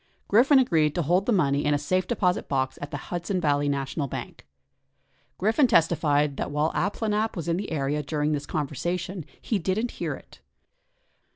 Griffin agreed to hold the money in his safe deposit box at the Hudson Valley National Bank. Griffin testified that while Abplanalp was in the area during this conversation, he didn't hear it.